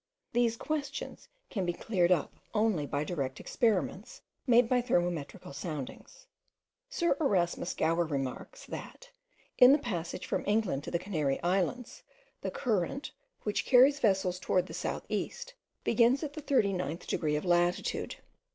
These questions can be cleared up only by direct experiments, made by thermometrical soundings. Sir Erasmus Gower remarks, that, in the passage from England to the Canary islands, the current, which carries vessels towards the south east, begins at the 39th degree of latitude.